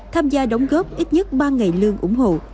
tham gia đóng góp ít nhất ba ngày lương ủng hộ